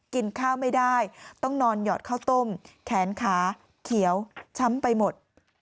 กินข้าวไม่ได้ต้องนอนหยอดข้าวต้มแขนขาเขียวช้ำไปหมด